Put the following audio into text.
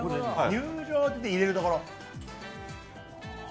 入場！って入れるところ。